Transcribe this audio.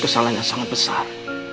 salahnya sangat besar